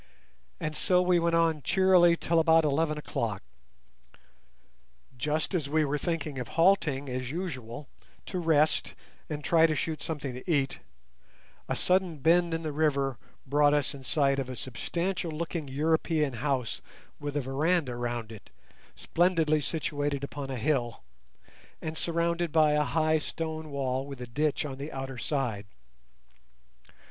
And so we went on cheerily till about eleven o'clock. Just as we were thinking of halting as usual, to rest and try to shoot something to eat, a sudden bend in the river brought us in sight of a substantial looking European house with a veranda round it, splendidly situated upon a hill, and surrounded by a high stone wall with a ditch on the outer side.